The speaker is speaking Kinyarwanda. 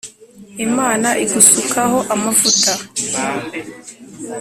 Imana igusukaho amavuta